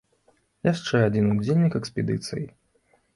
Яшчэ адзін удзельнік экспедыцыі.